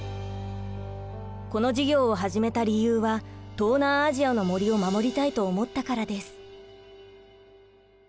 この事業を始めた理由は東南アジアの森を守りたいと思ったからです。